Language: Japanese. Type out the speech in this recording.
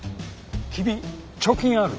君貯金ある？